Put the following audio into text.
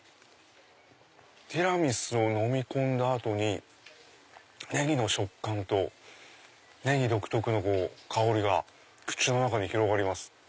ティラミスをのみ込んだ後にネギの食感とネギ独特の香りが口の中に広がります。